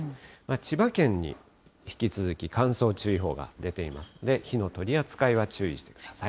千葉県に引き続き、乾燥注意報が出ていますので、火の取り扱いは注意してください。